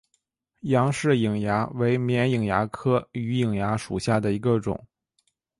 杨氏瘿蚜为绵瘿蚜科榆瘿蚜属下的一个种。